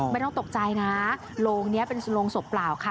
ไม่ต้องตกใจนะโรงนี้เป็นโรงศพเปล่าค่ะ